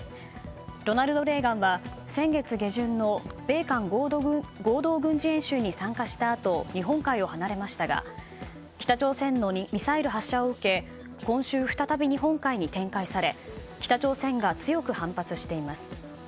「ロナルド・レーガン」は先月下旬の米韓合同軍事演習に参加したあと日本海を離れましたが北朝鮮のミサイル発射を受け今秋、再び日本海に展開され北朝鮮が強く反発しています。